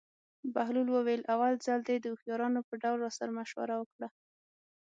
بهلول وویل: اول ځل دې د هوښیارانو په ډول راسره مشوره وکړه.